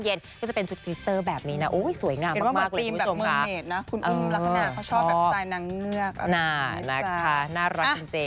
คือนี้จะไม่เป็นพิธีกรแล้วจ้ะจะเป็นแค่ช่วงเช้า